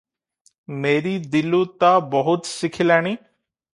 ମେରି ଦିଲୁ ତ ବହୁତ ଶିଖିଲାଣି ।